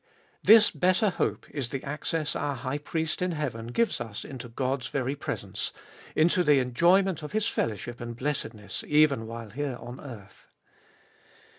This better hope is the access our High Priest in heaven gives us into God's very presence, into the enjoyment of His fellowship and blessedness, even while here on earth.